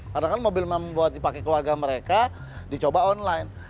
kadang kadang mobil membuat dipakai keluarga mereka dicoba online